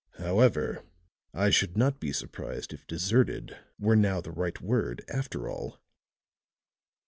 "However, I should not be surprised if deserted were now the right word, after all."